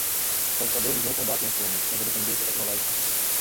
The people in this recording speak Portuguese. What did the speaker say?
Os computadores não combatem a fome, mas a dependência tecnológica.